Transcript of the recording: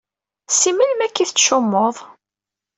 Si melmi akka i tettcummuḍ?